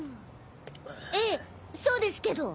ええそうですけど。